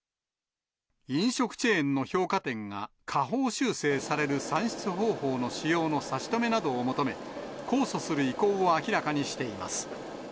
飲食チェーンの評価点が下方修正される算出方法の使用の差し止めなどを求め、控訴する意向を明らかにしています。